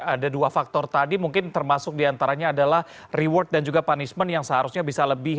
ada dua faktor tadi mungkin termasuk diantaranya adalah reward dan juga punishment yang seharusnya bisa lebih